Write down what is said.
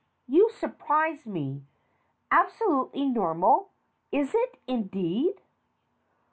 You surprise me. Absolutely normal? Is it, indeed?